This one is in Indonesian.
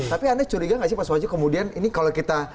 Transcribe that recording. tapi anda curiga gak sih mas waji kemudian ini kalau kita